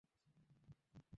গাধা নাকি, আমিই পাব।